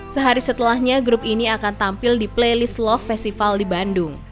sehari setelahnya grup ini akan tampil di playlist love festival di bandung